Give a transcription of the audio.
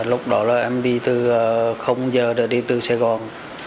lúc đó em đi từ không giờ đi từ sài gòn